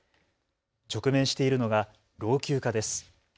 直面しているのが老朽化です。